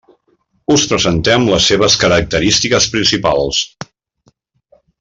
Us presentem les seves característiques principals.